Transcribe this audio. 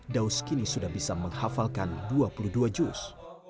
daudz kini sudah bisa menghafalkan dua puluh dua juz